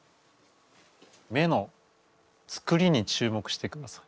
目のつくりに注目してください。